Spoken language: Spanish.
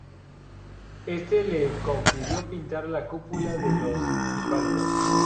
Éste le confirió pintar la cúpula de Los Inválidos.